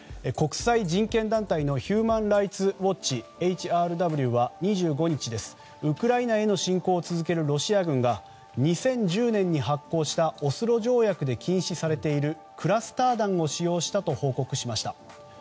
国際人権団体のヒューマン・ライツ・ウォッチＨＲＷはウクライナへの侵攻を続けるロシア軍が２０１０年に発効したオスロ条約で禁止されているクラスター弾を使用したと報告しました。